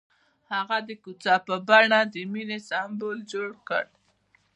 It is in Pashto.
هغه د کوڅه په بڼه د مینې سمبول جوړ کړ.